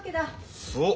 そう。